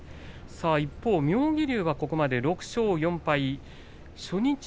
一方、妙義龍はここまで６勝４敗。